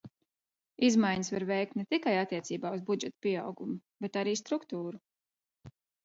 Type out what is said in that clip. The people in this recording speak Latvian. Izmaiņas var veikt ne tikai attiecībā uz budžeta pieaugumu, bet arī struktūru.